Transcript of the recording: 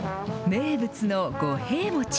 名物の五平餅。